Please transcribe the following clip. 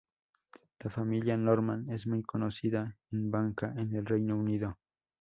La familia Norman es muy conocida en banca en el Reino Unido.